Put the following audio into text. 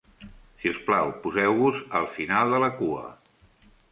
Si us plau, poseu-vos al final de la cua.